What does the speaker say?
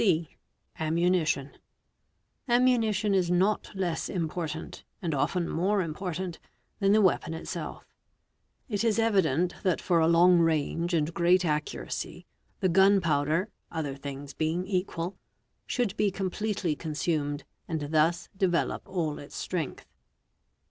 a 2 Cc. Ammunition. _ Ammunition is not less important, and often more important, than jhe weapon itself. It is evident that for a long range and great accuracy 436 WEAPONS the gun powder, other things being equal, should be completely con sumed and thus develope all its strength.